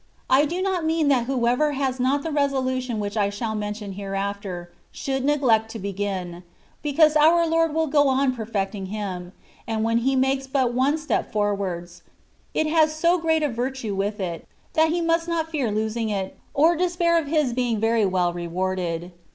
I do not mean that whoever has not the resolution which I shall mention hereafter, should neglect to begin, because our Lord will go on perfecting him; and when he makes but one step forwards, it has so great a virtue with it, that he must not fear losing it, or despair of his being very well rewarded.